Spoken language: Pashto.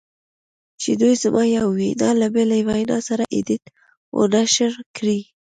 چې دوی زما یوه وینا له بلې وینا سره ایډیټ و نشر کړې